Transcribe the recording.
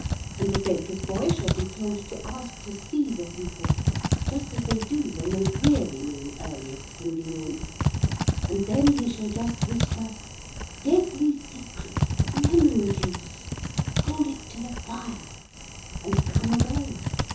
And the baker's boy shall be told to ask to see the people just as they do when they really mean earliest convenience and then he shall just whisper: "Deadly secret. Lemon juice. Hold it to the fire," and come away.